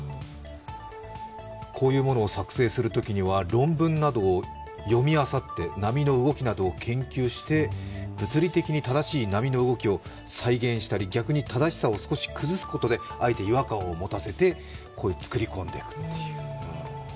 こういうものを作成するときには論文などを読みあさって波の動きなどを研究して物理的に正しい波の動きを再現したり逆に正しさを少し崩すことであえて違和感を持たせて作り込んでいくという。